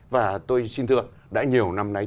và tôi xin thưa đã nhiều năm nay